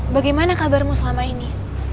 bagaimana kabarmu selama ini